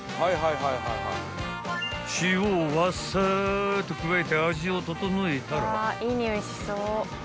［塩をわさっと加えて味を調えたら］